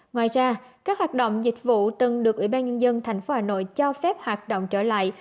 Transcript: ngoài ra các hoạt động dịch vụ từng được ủy ban nhân dân tp hà nội cho phép hoạt động trở lại